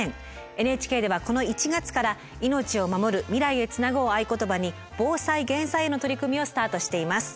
ＮＨＫではこの１月から「命をまもる未来へつなぐ」を合言葉に防災減災への取り組みをスタートしています。